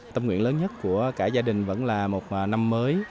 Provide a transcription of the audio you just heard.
tâm nguyện lớn nhất của cả gia đình vẫn là một năm mới